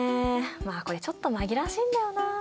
まあこれちょっと紛らわしいんだよなあ。